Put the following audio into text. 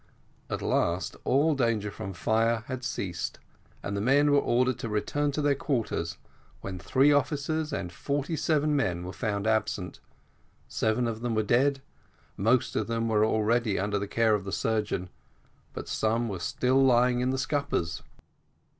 At last all danger from fire had ceased, and the men were ordered to return to their quarters, when three officers and forty seven men were found absent seven of them were dead most of them were already under the care of the surgeon, but some were still lying in the scuppers.